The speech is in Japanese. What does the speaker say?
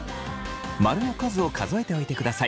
○の数を数えておいてください。